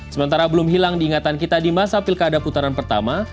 sementara belum hilang diingatan kita di masa pilkada putaran pertama